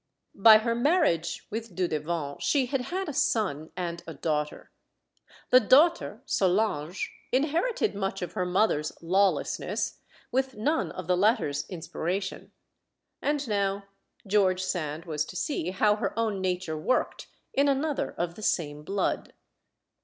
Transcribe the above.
By her marriage with Dudevant, she had had a son and a daughter. The daughter, Solange, inherited much of her mother's lawlessness, with none of the 174 STORIES OF THE SUPER WOMEN latter's inspiration. And now George Sand was to see how her own nature worked in another of the same blood.